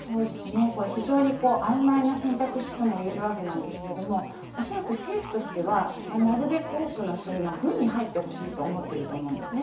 非常にあいまいな選択肢ともいえるわけですが恐らく政府としてはなるべく多くの人に軍に入ってほしいと思っていると思うんですね。